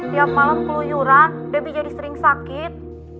tiap malam keluyuran debbie jadi sering sakit